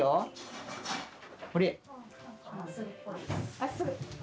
まっすぐ！